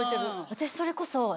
私それこそ。